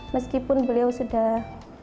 meskipun beliau sudah